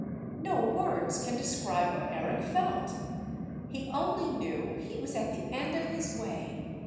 _] No words can describe what Eric felt! He only knew he was at the end of his way